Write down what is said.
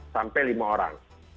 sampai lima orang